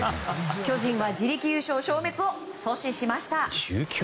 巨人は自力優勝消滅を阻止しました。